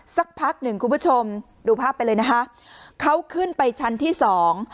สักพักหนึ่งคุณผู้ชมดูภาพไปเลยนะคะเขาขึ้นไปชั้นที่สอง